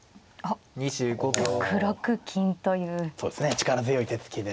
力強い手つきで。